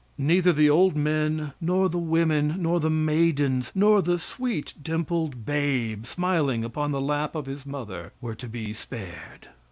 Neither the old men nor the women, nor the maidens, nor the sweet dimpled babe, smiling upon the lap of his mother, were to be spared.